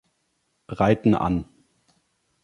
Reiten an.